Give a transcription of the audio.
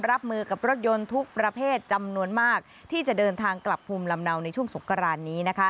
รับมือกับรถยนต์ทุกประเภทจำนวนมากที่จะเดินทางกลับภูมิลำเนาในช่วงสงกรานนี้